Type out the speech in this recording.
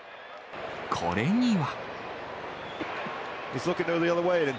これには。